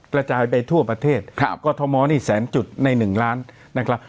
ประจายไปทั่วประเทศกมสัญจุดใน๑ล้านนะครับ